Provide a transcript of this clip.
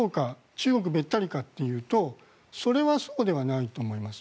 中国べったりかというとそれはそうではないと思います。